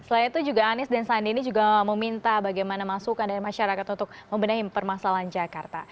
selain itu juga anies dan sandi ini juga meminta bagaimana masukan dari masyarakat untuk membenahi permasalahan jakarta